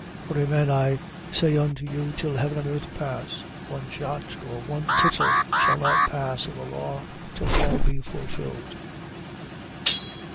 For amen I say unto you, till heaven and earth pass, one jot, or one tittle shall not pass of the law, till all be fulfilled.